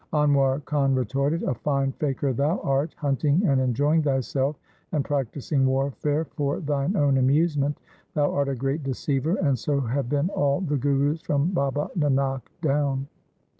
Anwar Khan retorted, ' A fine faqir thou art, hunting and enjoying thyself and practising warfare for thine own amusement. Thou art a great deceiver, and so have been all the Gurus from Baba Nanak down.'